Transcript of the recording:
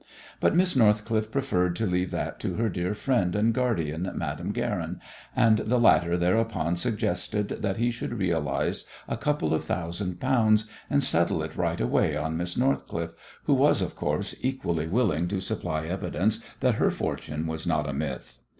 But Miss Northcliffe preferred to leave that to her dear friend and guardian, Madame Guerin, and the latter thereupon suggested that he should realize a couple of thousand pounds and settle it right away on Miss Northcliffe, who was, of course, equally willing to supply evidence that her fortune was not a myth.